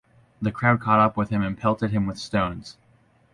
The crowd caught up with him and pelted him with stones.